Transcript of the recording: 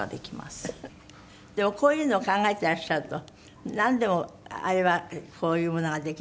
でもこういうのを考えてらっしゃるとなんでもあれはこういうものができる